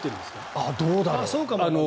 ああ、どうだろう？